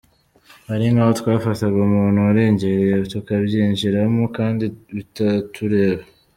Hari nk’aho twafataga umuntu warengereye tukabyinjiramo kandi bitatureba.